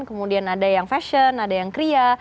kemudian ada yang fashion ada yang kria